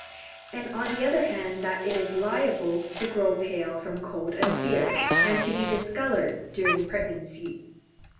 and on the other hand that it is liable to grow pale from cold and fear, and to be discoloured during pregnancy.